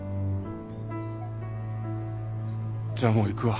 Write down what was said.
じゃもう行くわ。